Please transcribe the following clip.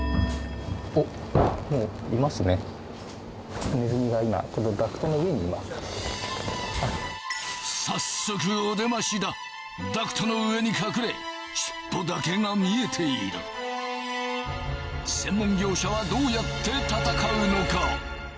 ネズミが今・早速お出ましだダクトの上に隠れ尻尾だけが見えている専門業者はどうやって戦うのか？